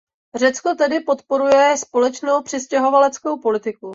Řecko tedy podporuje společnou přistěhovaleckou politiku.